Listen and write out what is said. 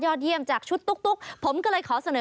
เยี่ยมจากชุดตุ๊กผมก็เลยขอเสนอ